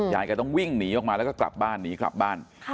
ยายแกต้องวิ่งหนีออกมาแล้วก็กลับบ้าน